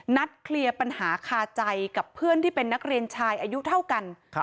นัดเคลียร์ปัญหาคาใจกับเพื่อนที่เป็นนักเรียนชายอายุเท่ากัน